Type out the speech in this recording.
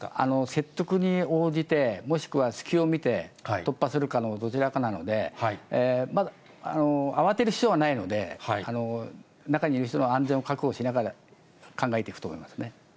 説得に応じて、もしくは隙を見て、突破するかのどちらかなので、慌てる必要はないので、中にいる人の安全を確保しながら考えていくと思いますね。